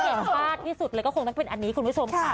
แต่ที่เย็นภาดที่สุดเลยก็คงจะเป็นอันนี้คุณผู้ชมค่ะ